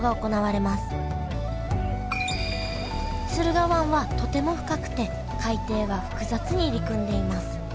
駿河湾はとても深くて海底は複雑に入り組んでいます。